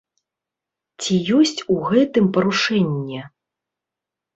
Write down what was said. Ці ёсць у гэтым парушэнне?